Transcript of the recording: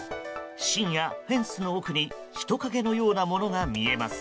深夜、フェンスの奥に人影のようなものが見えます。